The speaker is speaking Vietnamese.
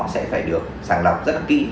sẽ phải được sàng lọc rất kỹ